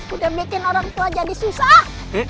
udah bikin orang tua jadi susah